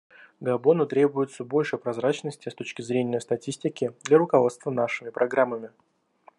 Габону требуется больше прозрачности с точки зрения статистики для руководства нашими программами.